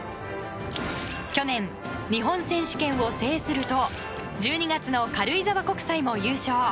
去年、日本選手権を制すると１２月の軽井沢国際も優勝。